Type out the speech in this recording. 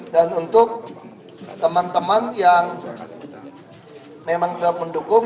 dan untuk teman teman yang memang tetap mendukung